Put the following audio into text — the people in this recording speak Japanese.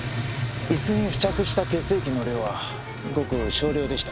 椅子に付着した血液の量はごく少量でした。